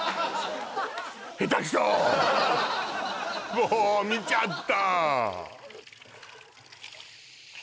もう見ちゃった！